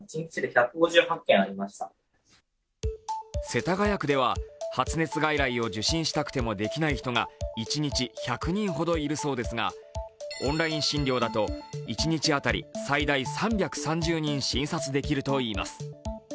世田谷区では、発熱外来を受診したくてもできない人が一日１００人ほどいるそうですがオンライン診療だと一日当たり最大３３０人診察できるといいます。